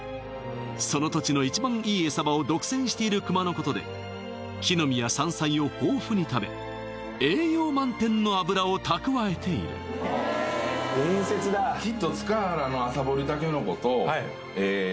その土地の一番いいエサ場を独占している熊のことで木の実や山菜を豊富に食べ栄養満点の脂を蓄えているですよね